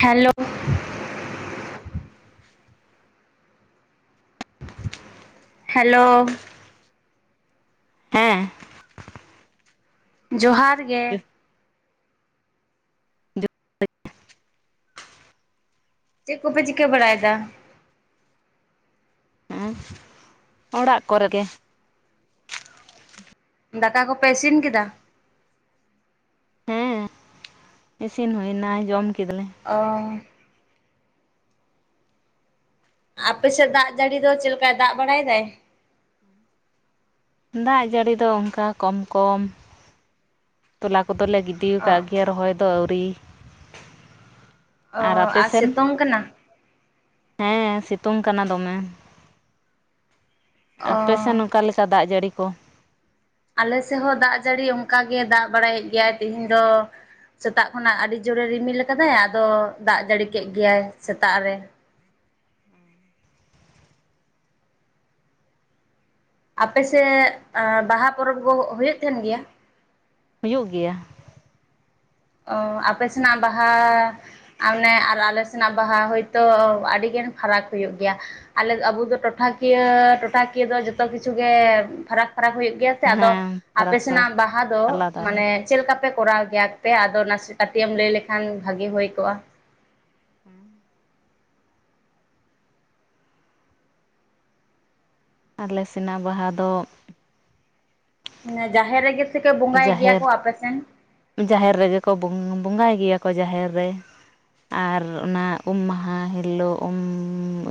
Hello hello. ᱦᱮᱸ᱾ ᱡᱚᱦᱟᱨ ᱜᱮ᱾ ᱪᱮᱜ ᱠᱚᱯᱮ ᱪᱤᱠᱟᱹ ᱵᱟᱲᱟᱭ ᱫᱟ? ᱚᱲᱟᱜ ᱠᱚᱨᱮ ᱜᱮ᱾ ᱫᱟᱠᱟ ᱠᱚᱯᱮ ᱤᱥᱤᱱ ᱠᱮᱫᱟ? ᱦᱮᱸ ᱤᱥᱤᱱ ᱦᱩᱭ ᱱᱟ ᱡᱚᱢ ᱠᱮᱫᱟ ᱞᱮ᱾ ᱚᱻ᱾ ᱟᱯᱮ ᱥᱮᱫ ᱫᱟᱜ ᱡᱟᱹᱲᱤ ᱫᱚ ᱪᱮᱞᱠᱟ ᱫᱟᱜ ᱵᱟᱲᱟᱭ ᱫᱟᱭ? ᱫᱟᱜ ᱡᱟᱹᱲᱤ ᱫᱚ ᱚᱱᱠᱟ ᱠᱚᱢ ᱠᱚᱢ ᱛᱚᱞᱟ ᱠᱚᱫᱚᱞᱮ ᱜᱤ ᱛᱤ ᱚ ᱟᱠᱟᱫ ᱜᱮᱭᱟ ᱨᱚᱦᱚᱭ ᱫᱚ ᱟᱣᱨᱤ᱾ ᱚ ᱟᱨ ᱥᱤᱛᱩᱝ ᱠᱟᱱᱟ? ᱦᱮᱸ ᱥᱤᱛᱩᱝ ᱠᱟᱱᱟ ᱫᱚᱢᱮ, ᱚ ᱟᱯᱮ ᱥᱮᱱ ᱱᱚᱠᱟ ᱞᱮᱠᱟ? ᱫᱟᱜ ᱡᱟᱹᱲᱤ ᱠᱚ, ᱟᱞᱮ ᱥᱮᱜ ᱦᱚᱸ ᱫᱟᱜ ᱡᱟᱹᱲᱤ ᱚᱱᱠᱟ ᱜᱮ ᱫᱟᱜ ᱵᱟᱲᱟᱭᱮᱜ ᱜᱮᱭᱟᱭ ᱛᱮᱦᱤᱧ ᱫᱚ᱾ ᱥᱮᱛᱟᱜ ᱠᱷᱚᱱᱟᱜ ᱟᱹᱰᱤ ᱡᱳᱨᱮ ᱨᱤᱢᱤᱞ ᱟᱠᱟᱫᱟᱭ ᱟᱫᱚ ᱫᱟᱜ ᱡᱟᱹᱲᱤ ᱠᱮᱫ ᱜᱮᱭᱟᱭ ᱥᱮᱛᱟᱜ ᱨᱮ᱾ ᱟᱯᱮᱥᱮᱜ ᱵᱟᱦᱟ ᱯᱚᱨᱚᱵᱽ ᱠᱚ ᱦᱩᱭᱩᱜ ᱛᱟᱦᱮᱱ ᱜᱮᱭᱟ? ᱦᱩᱭᱩᱜ ᱜᱮᱭᱟ᱾ ᱚ ᱟᱯᱮ ᱥᱮᱱᱟᱜ ᱵᱟᱦᱟ, ᱚᱱᱮ ᱟᱨ ᱟᱞᱮ ᱥᱮᱱᱟᱜ ᱵᱟᱦᱟ ᱦᱳᱭᱛᱳ ᱟᱹᱰᱤᱜᱮ ᱯᱷᱟᱨᱟᱠ ᱦᱩᱭᱩᱜ ᱜᱮᱭᱟ ᱟᱞᱮ ᱟᱵᱚ ᱴᱚᱴᱷᱟ ᱠᱤᱭᱟᱹ ᱴᱚᱴᱷᱟ ᱠᱤᱭᱟᱹ ᱫᱚ ᱡᱚᱛᱚ ᱠᱤᱪᱷᱩ ᱜᱮ ᱯᱷᱟᱨᱟᱠ ᱯᱷᱟᱨᱟᱠ ᱦᱩᱭᱩᱜ ᱜᱮᱭᱟ ᱛᱮ ᱟᱫᱚ ᱦᱮᱸ ᱟᱯᱮ ᱯᱷᱟᱨᱟᱠ ᱯᱷᱟᱨᱟᱠ ᱥᱮᱱᱟᱜ ᱵᱟᱦᱟ ᱫᱚ ᱟᱞᱟᱫᱟ ᱟᱞᱟᱫᱟ ᱢᱟᱱᱮ ᱪᱮᱫ ᱞᱮᱠᱟ ᱯᱮ ᱠᱚᱨᱟᱣ ᱜᱮᱭᱟᱯᱮ ᱟᱫᱚ ᱱᱟᱥᱮ ᱠᱟᱹᱴᱤᱡ ᱮᱢ ᱞᱟᱹᱭ ᱞᱮᱠᱷᱟᱱ ᱵᱷᱟᱜᱤ ᱦᱩᱭ ᱠᱚᱜᱼᱟ᱾ [inaudible] ᱟᱞᱮ ᱥᱮᱱᱟᱜ ᱵᱟᱦᱟ ᱫᱚ ᱡᱟᱦᱮᱨ ᱨᱮᱜᱮ ᱥᱮ ᱠᱚ ᱵᱚᱸᱜᱟᱭ ᱜᱮᱭᱟ ᱡᱟᱦᱮᱨ ᱠᱚ ᱟᱯᱮᱥᱮᱱ? ᱡᱟᱦᱮᱨ ᱨᱮᱜᱮ ᱠᱚ ᱵᱚᱸᱜᱟᱭ ᱜᱮᱭᱟ ᱠᱚ ᱡᱟᱦᱮᱨ ᱨᱮ᱾ ᱟᱨ ᱚᱱᱟ ᱩᱢ ᱢᱟᱦᱟ ᱦᱤᱞᱳᱜ ᱩᱢ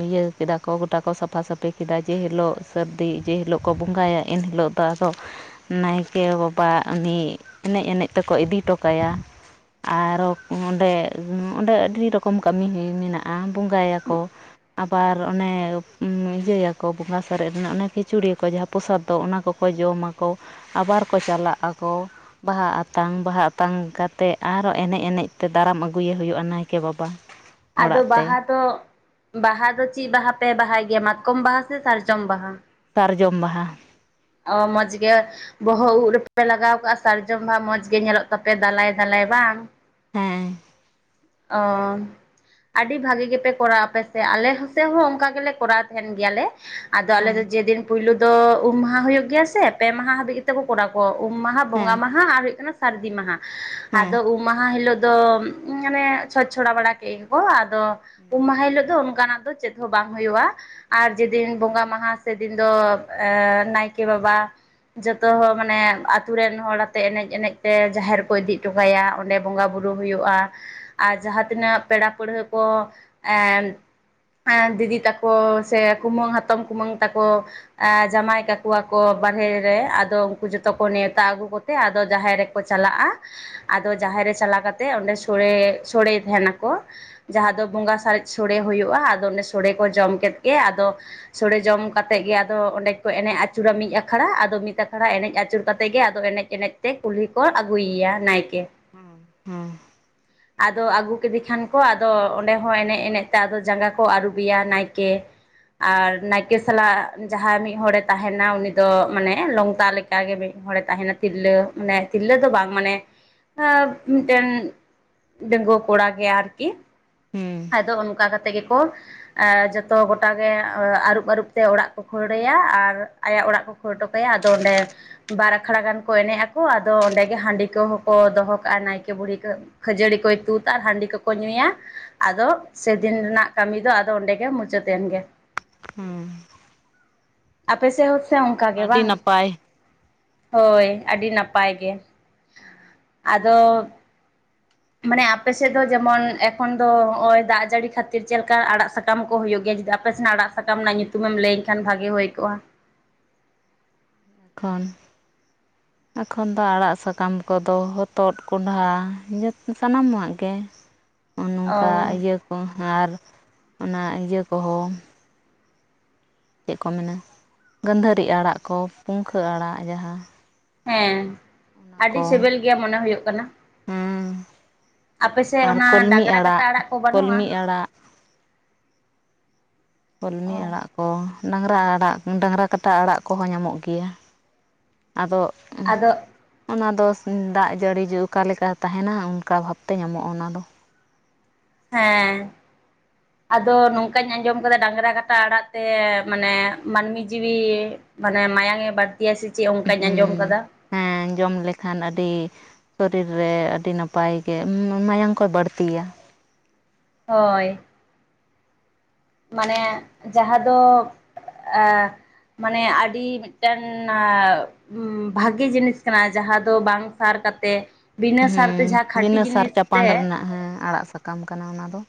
ᱤᱭᱟᱹ ᱠᱮᱫᱟ ᱠᱚ ᱜᱚᱴᱟ ᱠᱚ ᱥᱟᱯᱷᱟ ᱥᱟᱹᱯᱷᱤ ᱠᱮᱫᱟ ᱡᱮ ᱦᱤᱞᱳᱜ ᱥᱟᱹᱨᱫᱤ ᱡᱮ ᱦᱤᱞᱳᱜ ᱠᱚ ᱵᱚᱸᱜᱟᱭᱟ ᱮᱱ ᱦᱤᱞᱳᱜ ᱫᱚ ᱟᱫᱚ ᱱᱟᱭᱠᱮ ᱵᱟᱵᱟ ᱩᱱᱤ ᱮᱱᱮᱡ ᱮᱱᱮᱡ ᱛᱮᱠᱚ ᱤᱫᱤ ᱦᱚᱴᱚ ᱠᱟᱭᱟ᱾ ᱟᱨᱚ ᱚᱸᱰᱮ ᱚᱸᱰᱮ ᱟᱹᱰᱤ ᱨᱚᱠᱚᱢ ᱠᱟᱹᱢᱤ ᱢᱮᱱᱟᱜᱼᱟ ᱵᱚᱸᱜᱟᱭᱟᱠᱚ᱾ ᱟᱵᱟᱨ ᱚᱱᱮ ᱤᱭᱟᱹᱭᱟᱠᱚ ᱵᱚᱸᱜᱟ ᱥᱟᱨᱮᱡ ᱨᱮᱱᱟᱜ ᱚᱱᱮ ᱠᱷᱤᱪᱩᱲᱤᱜᱟ ᱠᱚ ᱡᱟᱦᱟᱸ ᱯᱚᱥᱟᱫ ᱫᱚ ᱚᱱᱟ ᱠᱚᱠᱚ ᱡᱚᱢᱟᱚ ᱟᱵᱟᱨ ᱠᱚ ᱪᱟᱞᱟᱜ ᱟᱠᱚ ᱵᱟᱦᱟ ᱟᱛ ᱛᱟᱝ ᱵᱟᱦᱟ ᱟᱛᱟᱝ ᱠᱟ ᱠᱟᱛᱮᱮᱫ ᱟᱨᱚ ᱮᱱᱮᱡ ᱮᱱᱮᱡ ᱛᱮ ᱫᱟᱨᱟᱢ ᱟᱹᱜᱩᱭᱮ ᱦᱩᱭᱩᱜᱼᱟ ᱱᱟᱭᱠᱮ ᱵᱟᱵᱟ᱾ ᱟᱫᱚ ᱚᱲᱟᱜ ᱛᱮ ᱵᱟᱦᱟ ᱫᱚ ᱵᱟᱦᱟ ᱫᱚ ᱪᱮᱫ ᱵᱟᱦᱟ ᱯᱮ ᱵᱟᱦᱟᱭ ᱜᱮᱭᱟ ᱢᱟᱛᱠᱚᱢ ᱵᱟᱦᱟ ᱥᱮ ᱥᱟᱨᱡᱚᱢ ᱵᱟᱦᱟ? ᱥᱟᱨᱡᱚᱢ ᱵᱟᱦᱟ᱾ ᱚ ᱢᱚᱡᱽ ᱜᱮ ᱵᱚᱦᱚᱜ ᱩᱵ ᱨᱮᱯᱮᱯᱮ ᱞᱟᱜᱟᱣ ᱠᱟᱜᱼᱟ ᱥᱟᱨᱡᱚᱢ ᱵᱟᱦ ᱢᱚᱸᱡᱽ ᱜᱮ ᱧᱮᱞᱚᱜ ᱛᱟᱯᱮ ᱫᱟᱞᱟᱭ ᱫᱟᱞᱟᱭ ᱵᱟᱝ ᱦᱮᱸ ᱚ ᱟᱹᱰᱤ ᱵᱷᱟᱜᱤ ᱜᱮᱯᱮ ᱠᱚᱨᱟᱣ ᱟᱯᱮ ᱥᱮ ᱟᱞᱮ ᱥᱮᱫ ᱦᱚᱸ ᱚᱱᱠᱟ ᱜᱮᱞᱮ ᱠᱚᱨᱟᱣ ᱛᱟᱦᱮᱱ ᱜᱮᱭᱟᱞᱮ ᱟᱫᱚ ᱦᱮᱸ ᱟᱞᱮᱫᱚ ᱡᱮᱫᱤᱱ ᱯᱩᱭᱞᱩ ᱫᱚ ᱩᱢ ᱢᱟᱦᱟ ᱦᱩᱭᱩᱜ ᱜᱮᱭᱟ ᱥᱮ ᱯᱮ ᱢᱟᱦᱟ ᱦᱟᱹᱵᱤᱡ ᱠᱚᱨᱟ ᱠᱚᱣᱟ ᱩᱢ ᱢᱟᱦᱟ ᱦᱮᱸ ᱵᱚᱸᱜᱟ ᱢᱟᱦᱟ ᱟᱨ ᱦᱩᱭᱩᱜ ᱠᱟᱱᱟ ᱥᱟᱹᱨᱫᱤ ᱢᱟᱦᱟ ᱟᱫᱚ ᱩᱢ ᱢᱟᱦᱟ ᱦᱤᱞᱳᱜ ᱫᱚ ᱢᱟᱱᱮ ᱪᱷᱚᱪ ᱪᱷᱚᱲᱟ ᱵᱟᱲᱟ ᱠᱮᱟᱧ ᱠᱚ ᱟᱫᱚ ᱩᱢ ᱢᱟᱦᱟ ᱦᱤᱞᱳᱜ ᱫᱚ ᱚᱱᱠᱟᱱᱟᱜ ᱫᱚ ᱪᱮᱫ ᱦᱚᱸ ᱵᱟᱝ ᱦᱩᱭᱩᱜᱼᱟ ᱟᱨ ᱡᱮᱫᱤᱱ ᱵᱚᱸᱜᱟ ᱢᱟᱦᱟ ᱥᱮᱫᱤᱱ ᱫᱚ ᱱᱟᱭᱠᱮ ᱵᱟᱵᱟ ᱡᱚᱛᱚᱦ ᱢᱟᱱᱮ ᱟᱛᱩᱨ ᱨᱮᱱ ᱦᱚᱲ ᱟᱛᱮ ᱮᱱᱮᱡ ᱮᱱᱮᱡ ᱛᱮ ᱡᱟᱦᱮᱨ ᱠᱚ ᱤᱫᱤ ᱦᱚᱴᱚ ᱠᱟᱭᱟ᱾ ᱚᱸᱰᱮ ᱵᱚᱸᱜᱟ ᱵᱳᱩᱨᱩ ᱦᱩᱭᱩᱜᱼᱟ ᱟᱨ ᱡᱟᱦᱟᱸ ᱛᱤᱱᱟᱹᱜ ᱯᱮᱲᱟ ᱯᱟᱹᱲᱦᱟᱹ ᱠᱚ ᱮᱸ ᱫᱤᱫᱤ ᱛᱟᱠᱚ ᱥᱮ ᱠᱩᱢᱟᱹᱝ ᱦᱟᱛᱚᱢ ᱠᱩᱢᱟᱹᱝ ᱛᱟᱠᱚ ᱡᱟᱶᱟᱭ ᱠᱟᱠᱚᱣᱟ ᱠᱚ ᱵᱟᱨᱦᱮ ᱨᱮ ᱛᱚ ᱩᱱᱠᱩ ᱡᱚᱛᱚ ᱠᱚ ᱱᱮᱣᱛᱟ ᱟᱹᱜᱩ ᱠᱚᱛᱮ ᱟᱫᱚ ᱡᱟᱦᱮᱨ ᱨᱮᱠᱚ ᱪᱟᱞᱟᱜᱼᱟ᱾ ᱟᱫᱚ ᱡᱟᱦᱮᱨ ᱨᱮ ᱪᱟᱞᱟᱣ ᱠᱟᱛᱮ ᱚᱸᱰᱮ ᱥᱚᱲᱮ ᱥᱚᱲᱮ ᱛᱟᱦᱮᱱᱟᱠᱚ ᱡᱟᱦᱟᱸ ᱫᱚ ᱵᱚᱸᱜᱟ ᱥᱟᱨᱮᱡ ᱥᱚᱲᱮ ᱦᱩᱭᱩᱜᱼᱟ ᱟᱫᱚ ᱚᱱ ᱥᱚᱲᱮ ᱠᱚ ᱡᱚᱢ ᱠᱮᱫ ᱜᱮ ᱟᱫᱚ ᱥᱚᱲᱮ ᱡᱚᱢ ᱠᱟᱛᱮ ᱜᱮ ᱟᱫᱚ ᱚᱸᱰᱮ ᱠᱚ ᱮᱱᱮᱡ ᱟᱹᱪᱩᱨᱟ ᱢᱤᱫ ᱟᱠᱷᱲᱟ ᱟᱫᱚ ᱢᱤᱫ ᱟᱠᱷᱲᱟ ᱮᱱᱮᱡ ᱟᱹᱪᱩᱨ ᱠᱟᱛᱮᱮᱫ ᱜᱮ ᱟᱫᱚ ᱮᱱᱮᱡ ᱮᱱᱮᱡ ᱛᱮ ᱠᱩᱞᱦᱤ ᱠᱚ ᱟᱹᱜᱩᱭᱮᱭᱟ ᱱᱟᱭᱠᱮ᱾ ᱦᱮᱸ ᱦᱮᱸ ᱟᱫᱚ ᱟᱹᱜᱩ ᱠᱮᱫᱮ ᱠᱷᱟᱱ ᱠᱚ ᱟᱫᱚ ᱚᱸᱰᱮ ᱦᱚᱸ ᱮᱱᱮᱡ ᱮᱱᱮᱡ ᱛᱮ ᱟᱫᱚ ᱡᱟᱸᱜᱟ ᱠᱚ ᱟᱹᱨᱩᱵᱮᱭᱟ ᱱᱟᱭᱠᱮ ᱟᱨ ᱱᱟᱭᱠᱮ ᱥᱟᱞᱟᱜ ᱡᱟᱦᱟᱸᱭ ᱢᱤᱫ ᱦᱚᱲᱮ ᱛᱟᱦᱮᱱᱟ ᱩᱱᱤ ᱫᱚ ᱢᱟᱱᱮ ᱞᱚᱝᱛᱟ ᱞᱮᱠᱟ ᱠᱟᱜᱮ ᱢᱤᱫ ᱦᱚᱲᱮ ᱛᱟᱦᱮᱱᱟ ᱛᱤᱨᱞᱟᱹ ᱢᱟᱱᱮ ᱛᱤᱨᱞᱟᱹ ᱫᱚ ᱵᱟᱝ ᱢᱟᱱᱮ ᱢᱤᱫᱴᱮᱱ ᱰᱟᱺᱜᱩᱣᱟᱹ ᱠᱚᱲᱟ ᱜᱮ ᱟᱨᱠᱤ ᱟᱫᱚ ᱚᱱᱠᱟ ᱠᱟᱛᱮᱫ ᱜᱮᱠᱚ ᱡᱚᱛᱚ ᱜᱚᱴᱟᱜᱮ ᱟᱹᱨᱩᱵ ᱟᱹᱨᱩᱵ ᱛᱮ ᱚᱲᱟᱜ ᱠᱚ ᱠᱷᱟᱹᱲᱲᱟᱹᱭᱟ ᱟᱨ ᱟᱭᱟᱜ ᱚᱲᱟᱜ ᱠᱚ ᱯᱷᱴ ᱠᱚᱮ ᱟᱫᱚ ᱚᱸᱰᱮ ᱵᱟᱨ ᱟᱠᱷᱲᱟ ᱜᱟᱱ ᱠᱚ ᱮᱱᱮᱡ ᱟᱠᱚ ᱟᱫᱚ ᱚᱸᱰᱮᱜᱮ ᱦᱟᱺᱰᱤ ᱠᱚᱦᱚᱸ ᱠᱚ ᱫᱚᱦᱚ ᱠᱟᱜᱼᱟ ᱱᱟᱭᱠᱮ ᱵᱩᱲᱦᱤ ᱠᱚ ᱠᱷᱟᱹᱡᱟᱹᱲᱤ ᱠᱚᱭ ᱛᱩᱫᱟ ᱟᱨ ᱦᱟᱺᱰᱤ ᱠᱚᱠᱚ ᱧᱩᱭᱟ ᱟᱫᱚ ᱥᱮᱫᱤᱱ ᱨᱮᱱᱟᱜ ᱠᱟᱹᱢᱤ ᱫᱚ ᱚᱱᱰᱮ ᱜᱮ ᱢᱩᱪᱚᱛᱱ ᱜᱮ ᱦᱩᱸ ᱟᱯᱮ ᱥᱮᱦ ᱦᱚ ᱥᱮ ᱚᱱᱠᱟ ᱜᱮ ᱟᱹᱰᱤ ᱵᱟᱝ ᱱᱟᱯᱟᱭ ᱦᱳᱭ ᱟᱹᱰᱤ ᱱᱟᱯᱟᱭ ᱜᱮ ᱟᱫᱚ ᱢᱟᱱᱮ ᱟᱯᱮᱥᱮᱫ ᱫᱚ ᱡᱮᱢᱚᱱ ᱮᱠᱷᱚᱱ ᱫᱚ ᱱᱚᱜᱼᱚᱭ ᱫᱟᱜ ᱡᱟᱹᱲᱤ ᱠᱷᱟᱹᱛᱤᱨ ᱪᱮᱫ ᱞᱮᱠᱟ ᱟᱲᱟᱜ ᱥᱟᱠᱟᱢ ᱥᱟᱠᱟᱢ ᱠᱚ ᱦᱩᱭᱩᱜ ᱜᱮᱭᱟ ᱡᱩᱫᱤ ᱟᱯᱮ ᱥᱮᱱᱟᱜ ᱟᱲᱟᱜ ᱥᱟᱠᱟᱢ ᱨᱮᱱᱟᱜ ᱧᱩᱛᱩᱢᱮᱢ ᱞᱟᱹᱭ ᱠᱷᱟᱱ ᱵᱷᱟᱹᱜᱤ ᱦᱩᱭ ᱠᱚᱜᱼᱟ ᱮᱠᱷᱚᱱ [inaudible] ᱮᱠᱷᱚᱱ ᱫᱚ ᱟᱲᱟᱜ ᱥᱟᱠᱟᱢ ᱠᱚᱫᱚ ᱦᱚᱛᱚᱫ ᱠᱚᱸᱰᱷᱟ [unintelligible] ᱥᱟᱱᱟᱢᱟᱜ ᱜᱮ [inaudible] ᱱᱚᱝᱠᱟ ᱤᱭᱟᱹ ᱠᱚ ᱟᱨ ᱚᱱᱟ ᱤᱭᱟᱹ ᱠᱚᱦᱚᱸ ᱪᱮᱫ ᱠᱚ ᱢᱮᱱᱟ ᱜᱟᱺᱫᱷᱟᱹᱨᱤ ᱟᱲᱟᱜ ᱠᱚ ᱯᱩᱝᱠᱷᱟᱹ ᱟᱲᱟᱜ ᱡᱟᱦᱟᱸ ᱦᱮᱸ ᱚᱱᱟ ᱟᱹᱰᱤ ᱠᱚ ᱥᱤᱵᱤᱞ ᱜᱮᱭᱟ ᱢᱚᱱᱮ ᱦᱩᱭᱩᱜ ᱠᱟᱱᱟ ᱦᱮᱸ ᱟᱯᱮ ᱥᱮᱫ ᱟᱨ ᱚᱱᱟ ᱠᱚᱞᱢᱤ ᱰᱟᱝᱨᱟ ᱠᱟᱴᱟ ᱟᱲᱟᱜ ᱠᱚ ᱵᱟᱹᱱᱩᱜᱼᱟ ᱠᱚᱞᱢᱤ ᱟᱲᱟᱜ ᱠᱩᱞᱢᱤ ᱚ ᱟᱲᱟᱜ ᱠᱚ ᱰᱟᱝᱨᱟ ᱟᱲᱟᱜ ᱰᱟᱝᱨᱟ ᱠᱟᱴᱟ ᱟᱲᱟᱜ ᱠᱚᱦᱚᱸ ᱧᱟᱢᱚᱜ ᱜᱮᱭᱟ ᱟᱫᱚᱻ ᱟᱫᱚ ᱚᱱᱟᱫᱚ ᱫᱟᱜ ᱡᱟᱹᱲᱤ ᱡᱮ ᱚᱠᱟᱞᱮᱠᱟ ᱛᱟᱦᱮᱱᱟ ᱚᱱᱠᱟ ᱵᱷᱟᱵᱛᱮ ᱧᱟᱢᱚᱜᱼᱟ ᱚᱱᱟᱫᱚ ᱦᱮᱸᱻ ᱟᱫᱚ ᱱᱚᱝᱠᱟᱧ ᱟᱸᱡᱚᱢ ᱟᱠᱟᱫᱟ ᱰᱟᱝᱨᱟ ᱠᱟᱴᱟ ᱟᱲᱟᱜ ᱛᱮ ᱢᱟᱱᱮ ᱢᱟᱹᱱᱢᱤ ᱡᱤᱣᱤ ᱢᱟᱱᱮ ᱢᱟᱭᱟᱝ ᱮ ᱵᱟᱹᱲᱛᱤᱭᱟ ᱥᱮ ᱪᱮᱫ ᱚᱱᱠᱟᱧ ᱟᱸᱡᱚᱢ ᱦᱮᱸ ᱟᱠᱟᱫᱟ ᱦᱮᱸ ᱡᱚᱢ ᱞᱮᱠᱷᱟᱱ ᱟᱹᱰᱤ ᱥᱚᱨᱤᱨ ᱨᱮ ᱟᱹᱰᱤ ᱱᱟᱯᱟᱭ ᱜᱮ ᱢᱟᱭᱟᱝ ᱠᱚ ᱵᱟᱹᱲᱛᱤᱭᱟ ᱦᱳᱭ ᱢᱟᱱᱮ ᱡᱟᱦᱟᱸ ᱫᱚ ᱟᱹᱻ ᱢᱟᱱᱮ ᱟᱹᱰᱤ ᱢᱤᱫᱴᱮᱱ ᱵᱷᱟᱜᱤ ᱡᱤᱱᱤᱥ ᱠᱟᱱᱟ ᱡᱟᱦᱟᱸ ᱫᱚ ᱵᱟᱝ ᱥᱟᱨ ᱠᱟᱛᱮᱜ ᱵᱤᱱᱟᱹ ᱥᱟᱨ ᱦᱮᱸ ᱵᱤᱱᱟᱹ ᱥᱟᱨ ᱪᱟᱯᱟᱱᱰ ᱨᱮᱱᱟᱜ ᱦᱮᱸ ᱟᱲᱟᱜ ᱥᱟᱠᱟᱢ ᱠᱟᱱᱟ ᱚᱱᱟ ᱫᱚ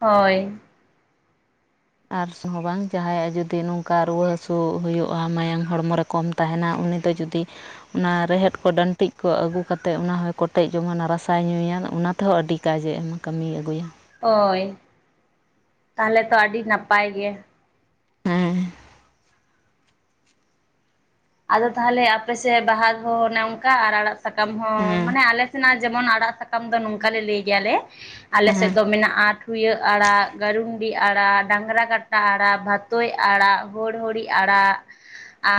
ᱦᱳᱭ ᱟᱨᱥ ᱦᱚᱸ ᱵᱟᱝ ᱡᱟᱦᱟᱸᱭᱟᱜ ᱡᱩᱫᱤ ᱱᱚᱝᱠᱟ ᱨᱩᱣᱟᱹ ᱦᱟᱹᱥᱩ ᱦᱩᱭᱩᱜᱼᱟ ᱢᱟᱭᱟᱝ ᱦᱚᱲᱢᱚ ᱨᱮ ᱠᱚᱢ ᱛᱟᱦᱮᱱᱟ ᱩᱱᱤ ᱫᱚ ᱡᱩᱫᱤ ᱚᱱᱟ ᱨᱮᱦᱮᱫ ᱠᱚ ᱰᱟᱹᱱᱴᱤᱡ ᱠᱚ ᱟᱹᱜᱩ ᱠᱟᱛᱮᱫ ᱚᱱᱟ ᱦᱚᱸᱭ ᱠᱚᱴᱮᱡ ᱡᱚᱝᱟ ᱚᱱᱟ ᱨᱟᱥᱟᱭ ᱧᱩᱭᱟ ᱚᱱᱟ ᱛᱮᱦᱚᱸ ᱟᱹᱰᱤ ᱠᱟᱡᱮ ᱮᱢᱟ ᱠᱟᱹᱢᱤᱭ ᱟᱹᱜᱩᱭᱟ ᱦᱚᱭ ᱛᱟᱦᱚᱞᱮ ᱛᱚ ᱟᱹᱰᱤ ᱱᱟᱯᱟᱭ ᱜᱮ ᱦᱮᱸ ᱟᱫᱚ ᱛᱟᱦᱚᱞᱮ ᱟᱯᱮ ᱥᱮᱫ ᱵᱟᱦᱟ ᱦᱚᱸ ᱚᱱᱮ ᱚᱱᱠᱟ ᱟᱨ ᱟᱲᱟᱜ ᱥᱟᱠᱟᱢ ᱦᱚᱸ ᱢᱟᱱᱮ ᱦᱮᱸ ᱟᱞᱮ ᱥᱮᱱᱟᱜ ᱡᱮᱢᱚᱱ ᱟᱲᱟᱜ ᱥᱟᱠᱟᱢ ᱫᱚ ᱱᱚᱝᱠᱟ ᱞᱮ ᱞᱟᱹᱭ ᱜᱮᱭᱟᱞᱮ ᱟᱞᱮ ᱥᱮᱫ ᱦᱮᱸ ᱫᱚ ᱢᱮᱱᱟᱜᱼᱟ ᱴᱷᱩᱭᱟᱹ ᱟᱲᱟᱜ ᱜᱟᱹᱨᱩᱱᱰᱤ ᱟᱲᱟᱜ ᱰᱟᱝᱨᱟ ᱜᱟᱼᱼ ᱴᱟ ᱟᱲᱟᱜ ᱵᱷᱟᱛᱚᱭ ᱟᱲᱟᱜ ᱦᱳᱲᱦᱚᱲᱤ ᱟᱲᱟᱜ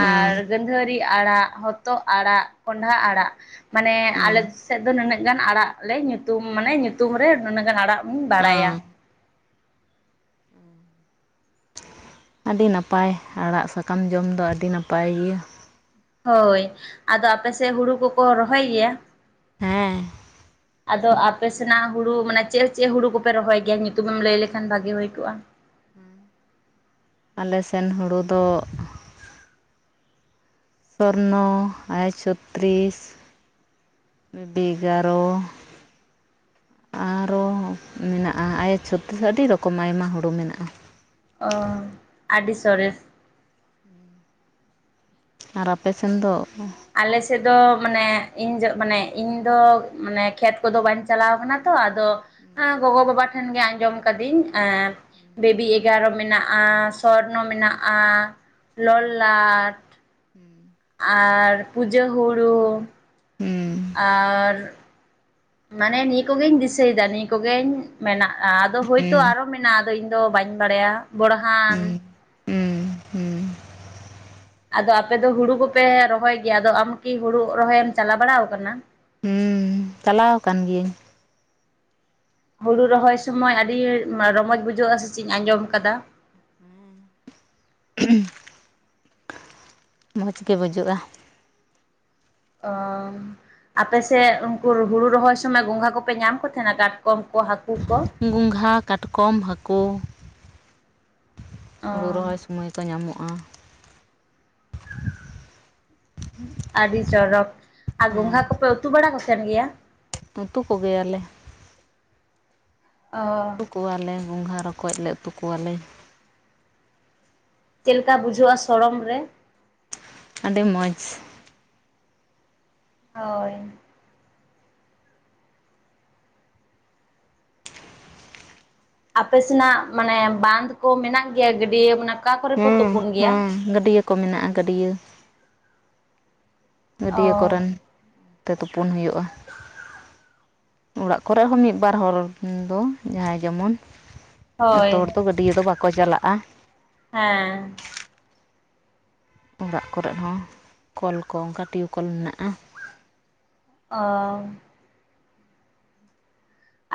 ᱦᱮᱸ ᱜᱟᱺᱫᱷᱟᱹᱨᱤ ᱟᱲᱟᱜ ᱦᱚᱛᱚᱫ ᱟᱲᱟᱜ ᱠᱚᱸᱰᱷᱟ ᱟᱲᱟᱜ ᱢᱟᱱᱮ ᱟᱞᱮ ᱦᱮᱸ ᱥᱮᱫ ᱫᱚ ᱱᱩᱱᱟᱹᱜ ᱜᱟᱱ ᱟᱲᱟᱜ ᱞᱮ ᱧᱩᱛᱩᱢ ᱢᱟᱱᱮ ᱧᱩᱛᱩᱢᱨᱮ ᱱᱩᱱᱟᱹᱜ ᱜᱟᱱ ᱟᱲᱟᱜ ᱤᱧ ᱦᱮᱸ ᱵᱟᱲᱟᱭᱟ [inaudible] ᱟᱹᱰᱤ ᱱᱟᱯᱟᱭ ᱟᱲᱟᱜ ᱥᱟᱠᱟᱢ ᱡᱚᱢ ᱫᱚ ᱟᱹᱰᱤ ᱱᱟᱯᱟᱭ ᱜᱮᱭᱟ ᱦᱳᱭ ᱟᱫᱚ ᱟᱯᱮ ᱥᱮᱫ ᱦᱳᱲᱳ ᱠᱚᱠᱚ ᱨᱚᱦᱚᱭ ᱜᱮᱭᱟ ᱦᱮᱸᱻ [inaudible] ᱟᱫᱚ ᱟᱯᱮ ᱥᱮᱱᱟᱜ ᱦᱳᱲᱳ ᱢᱟᱱᱮ ᱪᱮᱫ ᱪᱮᱫ ᱦᱳᱲᱳ ᱠᱚᱯᱮ ᱨᱚᱦᱚᱭ ᱜᱮᱭᱟ ᱧᱩᱛᱩᱢᱮᱢ ᱞᱟᱹᱭ ᱞᱮᱠᱷᱟᱱ ᱵᱷᱟᱹᱜᱤ ᱦᱩᱭ ᱠᱚᱜᱼᱟ ᱟᱞᱮ ᱥᱮᱱ ᱦᱳᱲᱳ ᱫᱚ ᱥᱚᱨᱱᱚ ᱮᱭ ᱪᱷᱚᱛᱛᱨᱤᱥ ᱵᱤᱜᱟᱨᱚ ᱟᱨᱚ ᱢᱮᱱᱟᱜᱼᱟ ᱟᱭ ᱪᱷᱚᱛᱛᱨᱤᱥ ᱟᱹᱰᱤ ᱨᱚᱠᱚᱢ ᱟᱭᱢᱟ ᱦᱳᱲᱳ ᱢᱮᱱᱟᱜᱼᱟ ᱚᱻ ᱟᱹᱰᱤ ᱥᱚᱨᱮᱥ ᱟᱨ ᱟᱯᱮ ᱥᱮᱱ ᱫᱚ ᱟᱞᱮᱥᱮᱫ ᱫᱚ ᱢᱟᱱᱮ ᱤᱧ ᱡ ᱢᱟᱱᱮ ᱤᱧ ᱫᱚ ᱢᱟᱱᱮ ᱠᱷᱮᱛ ᱠᱚᱫᱚ ᱵᱟᱹᱧ ᱪᱟᱞᱟᱣ ᱟᱠᱟᱱᱟ ᱛᱚ ᱜᱚᱜᱚ ᱵᱟᱵᱟ ᱴᱷᱮᱱ ᱜᱮ ᱟᱸᱡᱚᱢ ᱠᱟᱹᱫᱤᱧ ᱵᱮᱵᱤ ᱮᱜᱟᱨᱚ ᱢᱮᱱᱟᱜᱼᱟ ᱥᱚᱨᱱᱚ ᱢᱮᱱᱟᱜᱼᱟ ᱞᱚᱞᱞᱟ ᱦᱮᱸ ᱟᱨ ᱯᱩᱡᱟᱹ ᱦᱩᱲᱩ ᱟᱨ ᱢᱟᱱᱮ ᱱᱤᱭᱟᱹ ᱠᱚᱜᱮᱧ ᱫᱤᱥᱟᱹᱭᱮᱫᱟ ᱱᱤᱭᱟᱹ ᱠᱚᱜᱮᱧ ᱢᱮᱱᱟᱜᱼᱟ ᱟᱫᱚ ᱦᱳᱭᱛᱳ ᱟᱨᱚ ᱢᱮᱱᱟᱜ ᱟ ᱟᱫᱚ ᱤᱧ ᱫᱚ ᱵᱟᱹᱧ ᱵᱟᱲᱟᱭᱟ ᱵᱚᱲᱦᱟᱱ ᱦᱩᱸ ᱦᱩᱸ ᱟᱫᱚ ᱟᱯᱮ ᱫᱚ ᱦᱩᱲᱩ ᱠᱚᱯᱮ ᱨᱚᱦᱚᱭ ᱜᱮᱭᱟ ᱟᱫᱚ ᱟᱢ ᱠᱤ ᱦᱩᱲᱩ ᱨᱚᱦᱚᱭ ᱮᱢ ᱪᱟᱞᱟᱣ ᱵᱟᱲᱟ ᱟᱠᱟᱱᱟ ᱦᱮᱸ ᱪᱟᱞᱟᱣ ᱟᱠᱟᱱ ᱜᱤᱭᱟᱹᱧ ᱦᱩᱲᱩ ᱨᱚᱦᱚᱭ ᱥᱚᱢᱚᱭ ᱟᱹᱰᱤ ᱨᱚᱢᱚᱡᱽ ᱵᱩᱡᱷᱟᱹᱜᱼᱟ ᱥᱮ ᱪᱮᱫ ᱟᱸᱡᱚᱢ ᱟᱠᱟᱫᱟ ᱢᱚᱡᱽ ᱜᱮ ᱵᱩᱡᱩᱜᱼᱟ ᱚᱻ ᱟᱯᱮᱥᱮᱫ ᱩᱱᱠᱩ ᱦᱩᱲᱩ ᱨᱚᱦᱚᱭ ᱥᱚᱢᱚᱭ ᱜᱚᱸᱜᱷᱟ ᱠᱚᱯᱮ ᱧᱟᱢ ᱠᱚ ᱛᱟᱦᱮᱱᱟ ᱠᱟᱴᱠᱚᱢ ᱠᱚ ᱦᱟᱹᱠᱩ ᱠᱚ ᱜᱚᱝᱜᱷᱟ ᱠᱟᱴᱠᱚᱢ ᱦᱟᱹᱠᱩ ᱚ ᱦᱳᱲᱩ ᱨᱚᱦᱚᱭ ᱥᱚᱢᱚᱭ ᱚᱠᱛᱚ ᱧᱟᱢᱚᱜᱼᱟ ᱟᱹᱰᱤ ᱪᱚᱨᱚᱠ ᱟᱨ ᱜᱚᱸᱜᱷᱟ ᱦᱮᱸ ᱠᱚᱯᱮ ᱩᱛᱩ ᱵᱟᱲᱟ ᱠᱚ ᱛᱟᱦᱮᱱ ᱜᱮᱭᱟ ᱩᱛᱩ ᱠᱚᱜᱮᱭᱟᱞᱮ ᱚ ᱩᱛᱩ ᱠᱚᱣᱟᱞᱮ ᱜᱚᱸᱜᱷᱟ ᱨᱚᱠᱚᱡ ᱞᱮ ᱩᱛᱩ ᱠᱚᱣᱟᱞᱮ ᱪᱮᱫ ᱞᱮᱠᱟ ᱵᱩᱡᱷᱟᱹᱜᱼᱟ ᱥᱚᱲᱚᱢ ᱨᱮ ᱟᱹᱰᱤ ᱢᱚᱡᱽ ᱦᱳᱭ ᱟᱯᱮ ᱥᱮᱱᱟᱜ ᱢᱟᱱᱮ ᱵᱟᱸᱫᱷ ᱠᱚ ᱢᱮᱱᱟᱜ ᱜᱮᱭᱟ ᱜᱟᱹᱰᱭᱟᱹ ᱢᱟᱱᱮ ᱚᱠᱟ ᱠᱚᱨᱮ ᱠᱚ ᱦᱮᱸ ᱛᱩᱯᱩᱱ ᱜᱮᱭᱟ ᱦᱮᱸ ᱜᱟᱹᱰᱭᱟᱹ ᱠᱚ ᱢᱮᱱᱟᱜᱼᱟ ᱜᱟᱹᱰᱭᱟᱹ ᱜᱟᱹᱰᱭᱟᱹ ᱚ ᱠᱚᱨᱮᱱ ᱛᱮ ᱛᱩᱯᱩᱱ ᱦᱩᱭᱩᱜᱼᱟ ᱚᱲᱟᱜ ᱠᱚᱨᱮ ᱦᱚ ᱢᱤᱫᱵᱟᱨ ᱦᱚᱲ ᱫᱚ ᱡᱟᱦᱟᱸᱟᱭ ᱡᱮᱢᱚᱱ ᱦᱳᱭ ᱡᱚᱛᱚ ᱦᱚᱲ ᱫᱚ ᱜᱟᱹᱰᱭᱟᱹ ᱫᱚ ᱵᱟᱠᱚ ᱪᱟᱞᱟᱜᱼᱟ ᱦᱮᱸᱻᱻ ᱚᱲᱟᱜ ᱠᱚᱨᱮᱫ ᱦᱚᱸ ᱠᱚᱞ ᱠᱚ ᱚᱱᱠᱟ ᱴᱤᱭᱩ ᱠᱚᱞ ᱢᱮᱱᱟᱜᱼᱟ ᱚᱻᱻ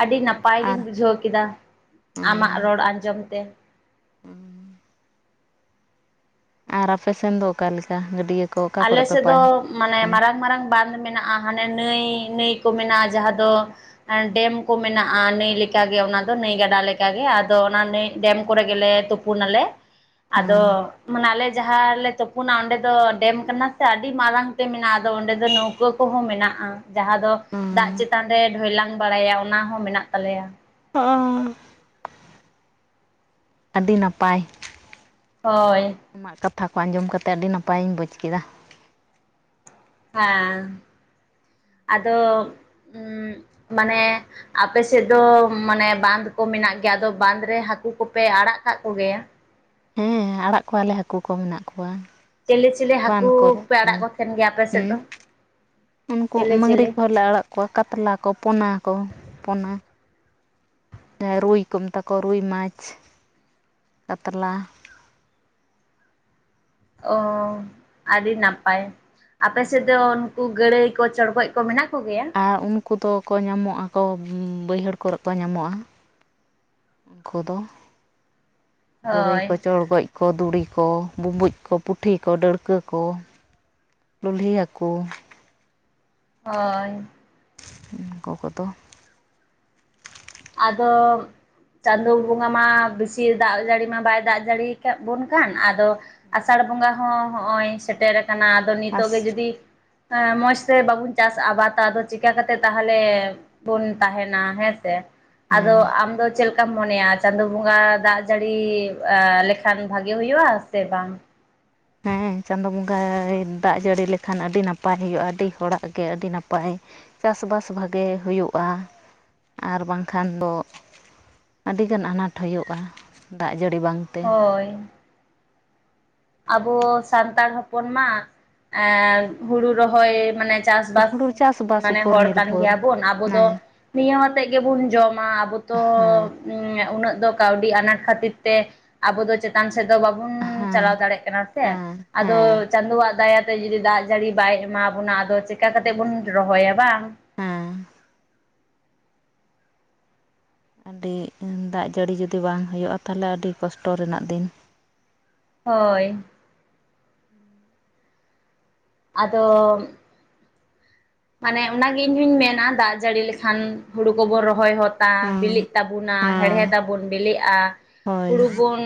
ᱟᱹᱰᱤ ᱱᱟᱯᱟᱭ ᱜᱤᱧ ᱟᱨ ᱵᱩᱡᱷᱟᱹᱣ ᱠᱮᱫᱟ ᱟᱢᱟᱜ ᱨᱚᱲ ᱟᱸᱡᱚᱢ ᱛᱮ ᱦᱩᱸ ᱟᱨ ᱟᱯᱮ ᱥᱮᱱ ᱫᱚ ᱚᱠᱟᱮᱠᱟ ᱜᱟᱹᱰᱭᱟᱹ ᱠᱚ ᱚᱠᱟ ᱟᱞᱮ ᱠᱚᱨᱮᱫ ᱯᱮ ᱥᱮᱫ ᱫᱚ ᱢᱟᱱᱮ ᱛᱩᱯᱩᱱᱟ ᱢᱟᱨᱟᱝ ᱢᱟᱨᱟᱝ ᱵᱟᱸᱫᱷ ᱢᱮᱱᱟᱜᱼᱟ ᱢᱟᱱᱮ ᱱᱟᱹᱭ ᱱᱟᱹᱭ ᱠᱚ ᱢᱮᱱᱟᱜᱼᱟ ᱡᱟᱦᱟᱸ ᱫᱚ ᱰᱮᱢ ᱠᱚ ᱢᱮᱱᱟᱜᱼᱟ ᱱᱟᱹᱭ ᱞᱮᱠᱟᱜ ᱜᱮ ᱚᱱᱟ ᱫᱚ ᱱᱟᱹᱭ ᱜᱟᱰᱟ ᱞᱮᱠᱟᱜᱮ ᱟᱫᱚ ᱚᱱᱟ ᱱᱟᱹᱭ ᱰᱮᱢ ᱠᱚᱨᱮ ᱜᱮᱞᱮ ᱛᱩᱯᱩ ᱛᱩᱯᱩᱱᱟᱞᱮ ᱟᱫᱚ ᱢᱟᱱᱮ ᱟᱞᱮ ᱡᱟᱦᱟᱸ ᱞᱮ ᱛᱩᱯᱩᱱᱟ ᱚᱸᱰᱮ ᱫᱚ ᱰᱮᱢ ᱠᱟᱱᱟ ᱥᱮ ᱟᱹᱰᱤ ᱢᱟᱨᱟᱝ ᱛᱮ ᱢᱮᱱᱟᱜᱼᱟ ᱟᱫᱚ ᱚᱸᱰᱮ ᱫᱚ ᱱᱟᱹᱣᱠᱟᱹ ᱠᱚᱦᱚᱸ ᱢᱮᱱᱟᱜᱼᱟ ᱡᱟᱦᱟᱸ ᱫᱚ ᱫᱟᱜ ᱪᱮᱛᱟᱱ ᱨᱮ ᱰᱷᱚᱭᱞᱟᱝ ᱵᱟᱲᱟᱭᱟ ᱚᱱᱟ ᱦᱚᱸ ᱢᱮᱱᱟᱜ ᱛᱟᱞᱮᱭᱟ, ᱟᱸ ᱟᱹᱰᱤ ᱱᱟᱯᱟᱭ, ᱦᱳᱭ ᱟᱢᱟᱜ ᱠᱟᱛᱷᱟ ᱠᱚ ᱟᱸᱡᱚᱢ ᱠᱟᱛᱮ ᱟᱹᱰᱤ ᱱᱟᱯᱟᱭ ᱤᱧ ᱵᱩᱡᱽ ᱠᱮᱫᱟ, ᱦᱮᱸ ᱟᱫᱚ ᱢᱟᱱᱮ ᱟᱯᱮ ᱥᱮᱫ ᱫᱚ ᱢᱟᱱᱮ ᱵᱟᱸᱫᱽ ᱠᱚ ᱢᱮᱱᱟᱜ ᱜᱮᱭᱟ ᱟᱫᱚ ᱵᱟᱸᱫᱽ ᱨᱮ ᱦᱟᱹᱠᱩ ᱠᱚᱯᱮ ᱟᱲᱟᱜ ᱠᱟᱜ ᱠᱚᱜᱮᱭᱟ? ᱦᱮᱸ ᱟᱲᱟᱜ ᱠᱚᱣᱟᱞᱮ ᱦᱟᱹᱠᱩ ᱠᱚ ᱢᱮᱱᱟᱜ ᱠᱚᱣᱟ, ᱪᱮᱞᱮ ᱪᱮᱞᱮ ᱦᱟᱹᱠᱩ ᱵᱟᱸᱫᱷ ᱠᱚᱨᱮ ᱯᱮ ᱟᱲᱟᱜ ᱠᱚ ᱛᱟᱦᱮᱱ ᱜᱮᱭᱟ ᱟᱯᱮ ᱥᱮᱫ ᱦᱮᱸ ᱫᱚ? ᱩᱱᱠᱩ ᱪᱤᱞᱤ ᱢᱟᱝᱜᱽᱨᱤ ᱪᱤᱞᱤ ᱠᱚᱦᱚᱸ ᱞᱮ ᱟᱲᱟᱜ ᱠᱚᱣᱟ ᱠᱟᱛᱞᱟ ᱠᱚ ᱯᱚᱱᱟ ᱠᱚ ᱯᱚᱱᱟ ᱡᱟᱦᱟᱸᱭ ᱨᱩᱭ ᱠᱚ ᱢᱮᱛᱟ ᱠᱚᱣᱟ ᱨᱩᱭ ᱢᱟᱪᱷ ᱠᱟᱛᱞᱟ, ᱚᱻᱻᱟᱹᱰᱤ ᱱᱟᱯᱟᱭ ᱾ ᱟᱯᱮ ᱥᱮᱫ ᱫᱚ ᱩᱱᱠᱩ ᱜᱟᱹᱲᱟᱹᱭ ᱠᱚ ᱪᱚᱲᱜᱚᱡ ᱠᱚ ᱢᱮᱱᱟᱜ ᱠᱚᱜᱮᱭᱟ ᱾ ᱟᱨ ᱩᱱᱠᱩ ᱫᱚ ᱠᱚ ᱧᱟᱢᱚᱜ ᱟᱠᱚ ᱠᱚ ᱵᱟᱹᱭᱦᱟᱹᱲ ᱠᱚᱨᱮ ᱠᱚ ᱧᱟᱢᱚᱜᱼᱟ, ᱾ ᱩᱱᱠᱩ ᱫᱚ ᱜᱟᱹᱲᱟᱹᱭ ᱦᱳᱭ ᱠᱚ ᱪᱚᱲᱜᱚᱡ, ᱾ ᱠᱚ ᱫᱩᱲᱤ ᱠᱚ ᱵᱩᱢᱵᱩᱡ ᱠᱚ ᱯᱩᱴᱷᱤ ᱠᱚ ᱰᱟᱹᱲᱠᱟᱹ ᱠᱚ, ᱞᱩᱞᱦᱤ ᱦᱟᱹᱠᱩ, ᱦᱳᱭ, ᱩᱱᱠᱩ ᱠᱚᱫᱚ ᱟᱫᱚ ᱪᱟᱸᱫᱳ ᱵᱚᱸᱜᱟ ᱢᱟ ᱵᱤᱥᱤ ᱫᱟᱜ ᱡᱟᱹᱲᱤ ᱢᱟ ᱵᱟᱭ ᱫᱟᱜ ᱡᱟᱹᱲᱤ, ᱠᱟᱜ ᱵᱚᱱ ᱠᱟᱱ ᱟᱫᱚ ᱟᱥᱟᱲ ᱵᱚᱸᱜᱟ ᱦᱚᱸ ᱦᱚᱜᱼᱚᱭ ᱥᱮᱴᱮᱨ ᱟᱠᱟᱱᱟ, ᱟᱫ ᱟᱫᱚ ᱱᱤᱛᱚᱜ ᱜᱮ ᱟᱥ ᱡᱩᱫᱤ ᱢᱚᱸᱡᱽ ᱛᱮ ᱵᱟᱵᱚᱱ ᱪᱟᱥ ᱟᱵᱟᱫᱟ ᱟᱫᱚ ᱪᱮᱠᱟ ᱠᱟᱛᱮ ᱛᱟᱦᱚᱞᱮ ᱵᱚᱱ ᱛᱟᱦᱮᱱᱟ ᱦᱮᱸ ᱥᱮ ᱟᱫᱚ ᱦᱮᱸ ᱟᱢ ᱫᱚ ᱪᱮᱫ ᱞᱮᱠᱟ ᱪᱮᱠᱟᱢ ᱢᱚᱱᱮᱭᱟ ᱪᱟᱸᱫᱳ ᱵᱚᱸᱜᱟ ᱫᱟᱜ ᱡᱟᱹᱲᱤ ᱮᱸ ᱞᱮᱠᱷᱟᱱ ᱵᱷᱟᱜᱮ ᱦᱩᱭᱩᱜᱼᱟ ᱥᱮ ᱵᱟᱝ? ᱦᱮᱸ ᱪᱟᱸᱫᱳ ᱵᱚᱸᱜᱟᱭ ᱫᱟᱜ ᱡᱟᱹᱲᱤ ᱞᱮᱠᱷᱟᱱ ᱟᱹᱰᱤ ᱱᱟᱯᱟᱭ ᱦᱩᱭᱩᱜᱼᱟ ᱟᱹᱰᱤ ᱦᱚᱲᱟᱜ ᱜᱮ ᱟᱹᱰᱤ ᱱᱟᱯᱟᱭ, ᱪᱟᱥᱵᱟᱥ ᱵᱷᱟᱜᱮ ᱦᱩᱭᱩᱜᱼᱟ ᱟᱨ ᱵᱟᱝᱠᱷᱟᱱ ᱫᱚ ᱟᱹᱰᱤᱜᱟᱱ ᱟᱱᱟᱴ ᱦᱩᱭᱩᱜᱼᱟ ᱫᱟᱜ ᱡᱟᱹᱲᱤ ᱵᱟᱝ ᱦᱳᱭ, ᱟᱵᱚ ᱥᱟᱱᱛᱟᱲ ᱦᱚᱯᱚᱱ ᱢᱟ ᱮᱸ ᱦᱩᱲᱩ ᱨᱚᱦᱚᱭ ᱢᱟᱱᱮ ᱪᱟᱥᱵᱟᱥ ᱦᱩᱲᱩ ᱪᱟᱥᱵᱟᱥ ᱢᱟᱱᱮ ᱩᱯᱚᱨ ᱦᱚᱲ ᱠᱟᱱ ᱱᱤᱨᱵᱷᱚᱨ ᱜᱮᱭᱟᱵᱚᱱ ᱟᱵᱚ ᱫᱚ ᱦᱮᱸ ᱱᱤᱭᱟᱹ ᱦᱚᱛᱮᱜ ᱜᱮᱵᱚᱱ ᱡᱚᱢᱟ ᱟᱵᱚ ᱛᱚ ᱦᱮᱸ ᱩᱱᱟᱹᱜ ᱫᱚ ᱠᱟᱹᱣᱰᱤ ᱟᱱᱟᱴ ᱠᱷᱟᱹᱛᱤᱨ ᱛᱮ ᱟᱵᱚ ᱫᱚ ᱪᱮᱛᱟᱱ ᱥᱮᱫ ᱫᱚ ᱵᱟᱵᱚᱱ ᱪᱟᱞᱟᱣ ᱦᱮᱸ ᱫᱟᱲᱮᱜ, ᱠᱷᱮᱱᱚᱴ [unintelligible] ᱛᱮ, ᱦᱮᱸ ᱟᱫᱚ ᱦᱮᱸ ᱪᱟᱸᱫᱳᱣᱟᱜ ᱫᱟᱭᱟᱛᱮ ᱡᱩᱫᱤ ᱫᱟᱜ ᱡᱟᱹᱲᱤ ᱵᱟᱭ ᱮᱢᱟ ᱵᱚᱱᱟ ᱟᱫᱚ ᱪᱤᱠᱟᱹ ᱠᱟᱛᱮᱜ ᱵᱚᱱ ᱨᱚᱦᱚᱭᱟ ᱵᱟᱝ ᱦᱮᱸ ᱟᱹᱰᱤ ᱫᱟᱜ ᱡᱟᱹᱲᱤ ᱡᱩᱫᱤ ᱵᱟᱝ ᱦᱩᱭᱩᱜᱼᱟ ᱛᱟᱦᱚᱞᱮ ᱟᱹᱰᱤ ᱠᱚᱥᱴᱚ ᱨᱮᱱᱟᱜ ᱫᱤᱱ, ᱦᱳᱭ, ᱟᱫᱚ ᱢᱟᱱᱮ ᱚᱱᱟᱜᱮ ᱤᱧ ᱦᱚᱧ ᱢᱮᱱᱟ ᱫᱟᱜ ᱡᱟᱹᱲᱤ ᱞᱮᱠᱷᱟᱱ ᱦᱩᱲᱩ ᱠᱚᱵᱚᱱ ᱨᱚᱦᱚᱭ ᱦᱚᱛ ᱛᱟ ᱦᱮᱸ ᱵᱤᱞᱤᱜ ᱛᱟᱵᱚᱱᱟ ᱦᱮᱸ ᱦᱮᱲᱦᱮᱫ ᱟᱵᱚᱱ ᱵᱤᱞᱤᱜᱼᱟ ᱦᱳᱭ ᱦᱩᱲᱩ ᱵᱚᱱ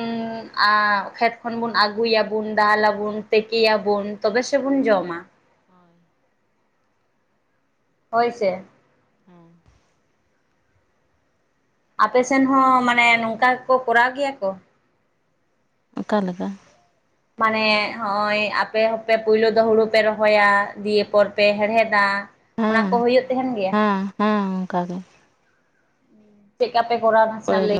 ᱟᱸ ᱠᱷᱮᱛ ᱠᱷᱚᱱ ᱵᱚᱱ ᱟᱹᱜᱩᱭᱟᱵᱚᱱ ᱫᱟᱞᱟᱞᱟᱵᱚᱱ ᱛᱮᱠᱮᱭᱟᱵᱚᱱ ᱛᱚᱵᱮ ᱥᱮᱵᱚᱱ ᱡᱚᱢᱟ, ᱾ [inaudible] ᱦᱳᱭ ᱥᱮ [inaudible] ᱟᱯᱮ ᱥᱮᱱ ᱦᱚᱸ ᱢᱟᱱᱮ ᱱᱚᱝᱠᱟ ᱜᱮ ᱠᱚ ᱠᱚᱨᱟᱣ ᱜᱮᱭᱟ ᱠᱚ? ᱚᱠᱟ ᱞᱮᱠᱟ? ᱢᱟᱱᱮ ᱦᱚᱜ-ᱚᱭ ᱟᱯᱮ ᱦᱚᱸᱯᱮ ᱯᱳᱭᱞᱳ ᱫᱚ ᱦᱩᱲᱩ ᱯᱮ ᱨᱚᱦᱚᱭᱟ ᱫᱤᱭᱮ ᱯᱚᱨ ᱯᱮ ᱦᱮᱲᱦᱮᱫᱟ, ᱾ ᱚᱱᱟ ᱦᱮᱸ ᱠᱚ ᱦᱩᱭᱩᱜ ᱛᱟᱦᱮᱱ ᱜᱮᱭᱟ, ᱾ ᱦᱮᱸ ᱦᱮᱸ ᱚᱱᱠᱟ ᱜᱮ, ᱪᱮᱠᱟ ᱯᱮ ᱠᱚᱨᱟᱣᱟ ᱱᱟᱥᱮ ᱱᱟᱜ ᱞᱟᱹᱭ ᱯᱳᱭᱞᱳ